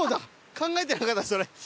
考えてなかったそれ。